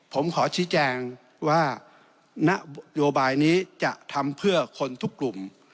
ผมขอชี้แจงว่านโยบายนี้จะทำเพื่อคนทุกกลุ่ม